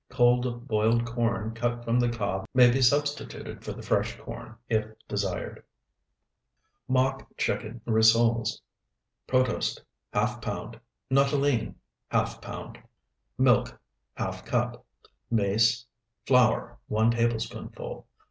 Cold boiled corn cut from the cob may be substituted for the fresh corn, if desired. MOCK CHICKEN RISSOLES Protose, ½ pound. Nuttolene, ½ pound. Milk, ½ cup. Mace. Flour, 1 tablespoonful.